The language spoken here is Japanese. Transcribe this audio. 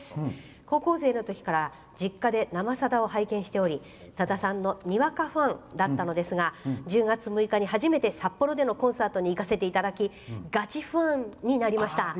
高校生のときから実家で「生さだ」を拝見しておりさださんのにわかファンだったのですが１０月６日に初めて札幌でのコンサートに行かせていただきガチファンになりました。